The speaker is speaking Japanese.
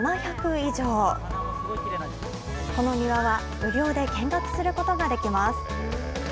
無料で見学することができます。